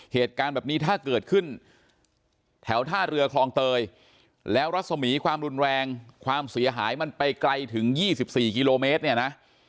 เหตุการณ์แบบนี้ถ้าเกิดขึ้นแถวท่าเรือคลองเตยแล้วรัศมีความรุนแรงความเสียหายมันไปไกลถึง๒๔กิโลเมตรเนี่ยนะ